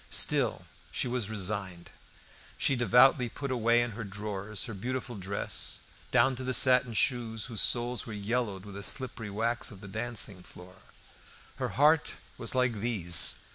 Still she was resigned. She devoutly put away in her drawers her beautiful dress, down to the satin shoes whose soles were yellowed with the slippery wax of the dancing floor. Her heart was like these.